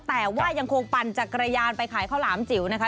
แต่ว่ายังคงปั่นจักรยานไปขายข้าวหลามจิ๋วนะคะ